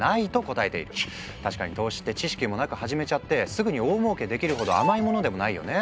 確かに投資って知識もなく始めちゃってすぐに大もうけできるほど甘いものでもないよね。